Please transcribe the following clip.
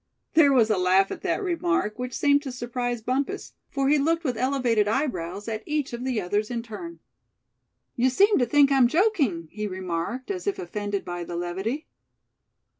There was a laugh at that remark, which seemed to surprise Bumpus, for he looked with elevated eyebrows at each of the others in turn. "You seem to think I'm joking," he remarked, as if offended by the levity.